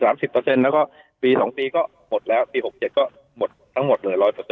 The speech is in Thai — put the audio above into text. สามสิบเตอร์เซ็นทร์แล้วก็ปีสองปีก็หมดแล้วก็หมดครั้งหมดเลยร้อย